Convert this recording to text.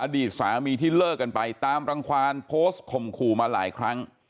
อดีตสามีที่เลิกกันไปตามรังความโพสต์ข่มขู่มาหลายครั้ง